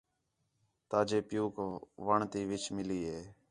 تاجے پِیؤک وݨ تی وِچ مِلی ہِے